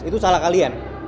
itu salah kalian